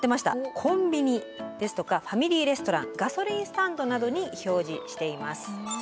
コンビニですとかファミリーレストランガソリンスタンドなどに表示しています。